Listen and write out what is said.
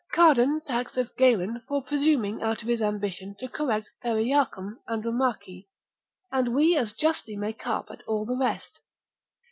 Cardan taxeth Galen for presuming out of his ambition to correct Theriachum Andromachi, and we as justly may carp at all the rest.